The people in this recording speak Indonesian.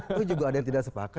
itu juga ada yang tidak sepakat